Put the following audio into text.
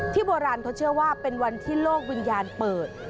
โบราณเขาเชื่อว่าเป็นวันที่โลกวิญญาณเปิด